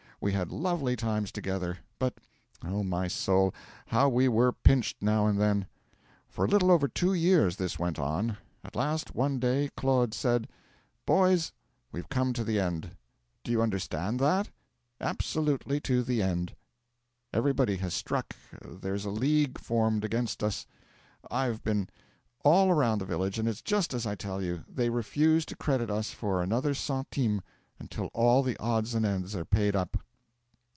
We had lovely times together; but, O my soul! how we were pinched now and then! 'For a little over two years this went on. At last, one day, Claude said: '"Boys, we've come to the end. Do you understand that? absolutely to the end. Everybody has struck there's a league formed against us. I've been all around the village and it's just as I tell you. They refuse to credit us for another centime until all the odds and ends are paid up."